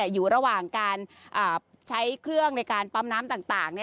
อยู่ระหว่างการใช้เครื่องในการปั๊มน้ำต่าง